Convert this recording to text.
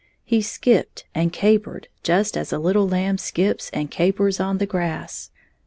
He skipped and capered just as a little lamb skips and capers on the grass.